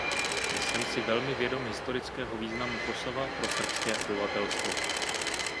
Jsem si velmi vědom historického významu Kosova pro srbské obyvatelstvo.